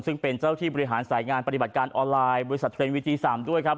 ซึ่งเป็นเจ้าที่บริหารสายงานปฏิบัติการออนไลน์บริษัทเทรนด์วีจี๓ด้วยครับ